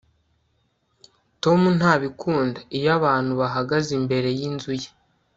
tom ntabikunda iyo abantu bahagaze imbere yinzu ye